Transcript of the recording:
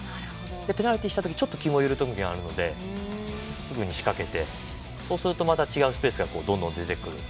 ペナルティした時気が緩む時あるのですぐに仕掛けてそうすると、また違うスペースがどんどん出てくる。